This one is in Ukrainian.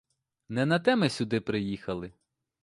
Не на те ми сюди приїхали.